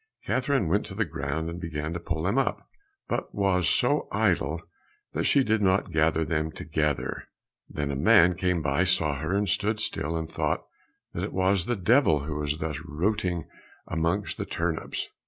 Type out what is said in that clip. Catherine went to the ground, and began to pull them up, but was so idle that she did not gather them together. Then a man came by, saw her, and stood still and thought that it was the devil who was thus rooting amongst the turnips.